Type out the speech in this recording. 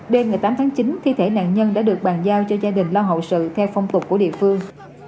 đêm ngày tám tháng chín thi thể nạn nhân đã được bàn giao cho gia đình lo hậu sự theo phong tục của địa phương